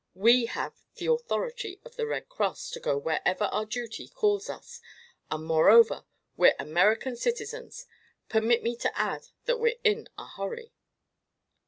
We have the authority of the Red Cross to go wherever our duty calls us, and moreover we're American citizens. Permit me to add that we're in a hurry."